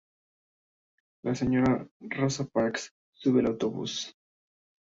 La señora Rosa Parks, sube al autobús.